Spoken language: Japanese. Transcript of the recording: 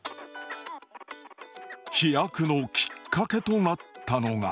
飛躍のきっかけとなったのが。